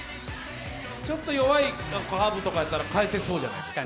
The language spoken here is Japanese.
ちょっと弱いサーブだったら返せそうじゃないですか？